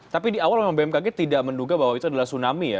tapi di awal memang bmkg tidak menduga bahwa itu adalah tsunami ya